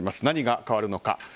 何が変わるのか。